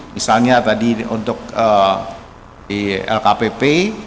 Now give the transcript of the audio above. misalnya tadi untuk lkpp